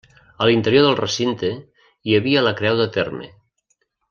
A l'interior del recinte, hi havia la creu de terme.